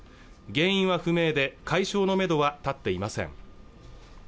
原因は不明で解消のめどは立っていません